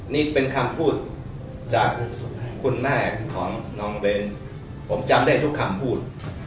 นี่เป็นคำพูดจากคุณแม่ของน้องเบนผมจำได้ทุกคำพูด